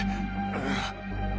ああ。